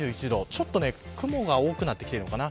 ちょっと雲が多くなってきているのかな。